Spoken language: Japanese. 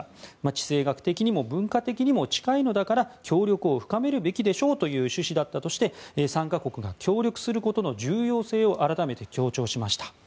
地政学的にも文化的にも近いのだから協力を深めるべきでしょうという趣旨だったとして参加国が協力することの重要性を改めて強調しました。